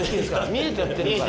見えちゃってるから！